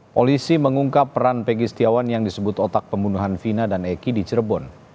polisi mengungkap peran pegi setiawan yang disebut otak pembunuhan vina dan eki di cirebon